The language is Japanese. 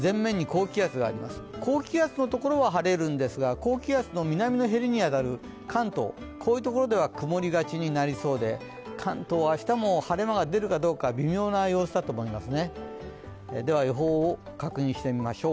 高気圧のところは晴れるんですが、高気圧の南の縁に当たる関東、こういうところでは曇りがちになりそうで関東は明日も晴れ間が出るかどうか、微妙な様子だと思います。